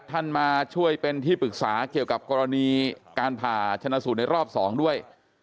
มาช่วยเป็นที่ปรึกษาเกี่ยวกับกรณีการผ่าชนะสูตรในรอบ๒ด้วย